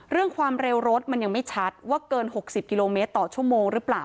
ความเร็วรถมันยังไม่ชัดว่าเกิน๖๐กิโลเมตรต่อชั่วโมงหรือเปล่า